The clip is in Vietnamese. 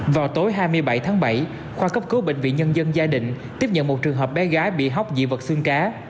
vào tối hai mươi bảy tháng bảy khoa cấp cứu bệnh viện nhân dân giai định tiếp nhận một trường hợp bé gái bị hóc dị vật xương cá